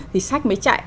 thì sách mới chạy